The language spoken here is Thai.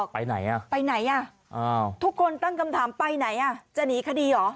ไปไหนอ่ะทุกคนตั้งคำถามไปไหนจะหนีคดีหรอ